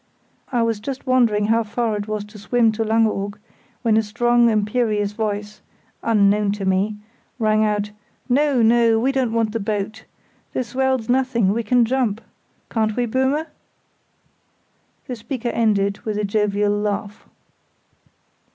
I was just wondering how far it was to swim to Langeoog, when a strong, imperious voice (unknown to me) rang out, "No, no! We don't want the boat. The swell's nothing; we can jump! Can't we, Böhme?" The speaker ended with a jovial laugh.